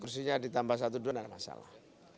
kursinya ditambah satu dolar nggak ada masalah